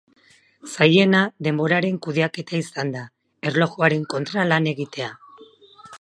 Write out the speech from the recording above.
Zailena, denboraren kudeaketa izan da, erlojuaren kontra lan egitea.